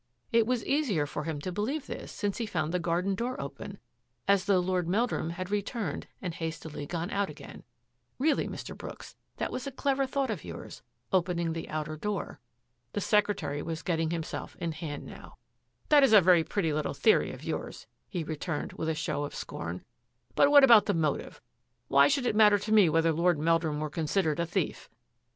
It was easier for him to believe 264 THAT AFFAIR AT THE IVIANOR this since he found the garden door open — as though Lord Meldrum had returned and hastily gone out again. Really, Mr. Brooks, that was a clever thought of yours — opening the outer door." The secretary was getting himself in hand now, " That is a very pretty little theory of yours, he returned with a show of scorn, " but what about the motive.? Why should it matter to me whether Lord Meldrum were considered a thief?